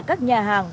các nhà hàng